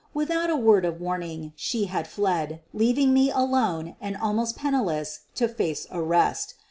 Without a word of warning she had fled, leaving me alone and almost penniless to face arrest.